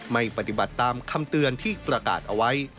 ไม่ปฏิบัติตามคำเตือนที่ประกาศเอาไว้